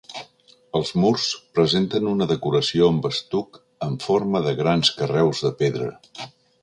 Els murs presenten una decoració amb estuc en forma de grans carreus de pedra.